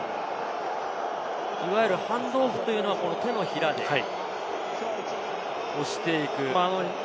いわゆるハンドオフというのは手のひらで押していく。